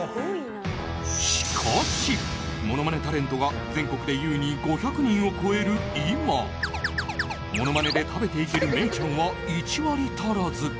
しかしものまねタレントが全国で優に５００人を超える今ものまねで食べていけるメイちゃんは１割足らず。